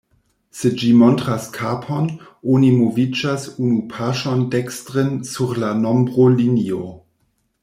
Se ĝi montras kapon, oni moviĝas unu paŝon dekstren sur la nombro-linio.